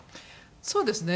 そうですね。